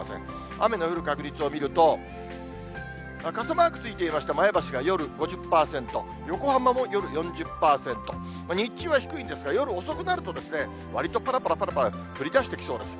雨の降る確率を見ると、傘マークついていました前橋が夜５０％、横浜も夜４０％、日中は低いんですが、夜遅くなるとですね、わりとぱらぱらぱらぱら降りだしてきそうです。